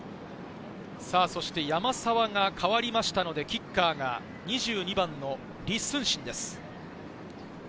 そして山沢が代わりましたので、キッカーが２２番の李承信です。